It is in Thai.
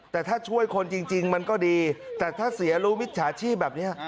แต่ถ้าช่วยคนจริงมันก็ดีแต่ถ้าเสียรู้มิจฉาชีพแบบนี้